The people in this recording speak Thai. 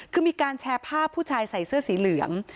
คือมีการแชร์ภาพผู้ชายใส่เสื้อสีเหลือง